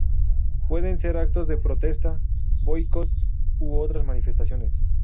Pueden ser actos de protesta, boicots u otras manifestaciones.